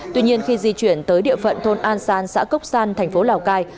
tuy nhiên khi di chuyển tới địa phận thôn an san xã cốc san thành phố lào cai